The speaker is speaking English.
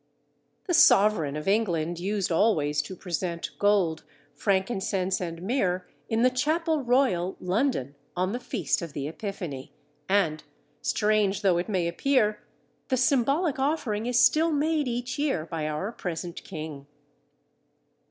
The sovereign of England used always to present gold, frankincense, and myrrh in the Chapel Royal, London, on the feast of the Epiphany, and, strange though it may appear, the symbolic offering is still made each year by our present king.